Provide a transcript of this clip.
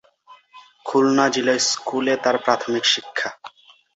খুলনা জিলা স্কুলে তার প্রাথমিক শিক্ষা।